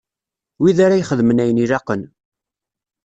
Wid ara ixedmen ayen ilaqen.